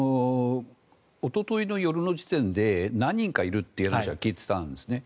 おとといの夜の時点で何人かいるという話は聞いていたんですね。